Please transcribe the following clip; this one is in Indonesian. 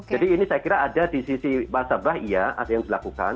jadi ini saya kira ada di sisi pasar bah iya ada yang dilakukan